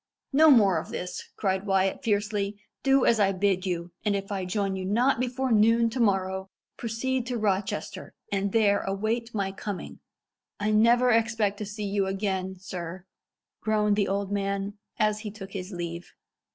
"No more of this!" cried Wyat fiercely. "Do as I bid you, and if I join you not before noon to morrow, proceed to Rochester, and there await my coming." "I never expect to see you again, sir!" groaned the old man, as he took his leave.